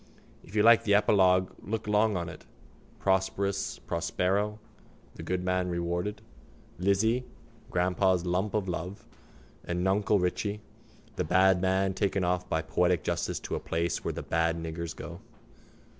If you like the epilogue look long on it: prosperous Prospero, the good man rewarded, Lizzie, grandpa's lump of love, and nuncle Richie, the bad man taken off by poetic justice to the place where the bad niggers go.